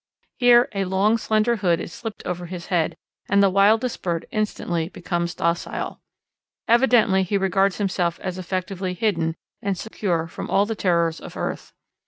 Here a long, slender hood is slipped over his head and the wildest bird instantly becomes docile. Evidently he regards himself as effectively hidden and secure from all the terrors of earth.